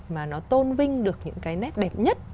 mà nó tôn vinh được những cái nét đẹp nhất